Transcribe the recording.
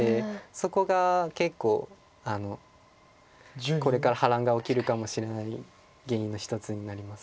そこが結構これから波乱が起きるかもしれない原因の一つになります。